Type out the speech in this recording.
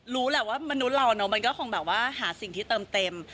รู้ว่ามนุษย์เราจะหาสิ่งที่เติมเต็ม